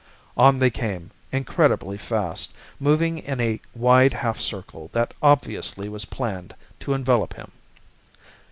On they came, incredibly fast, moving in a wide half circle that obviously was planned to envelop him.